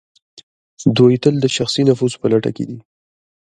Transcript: دوی تل د شخصي نفوذ په لټه کې دي.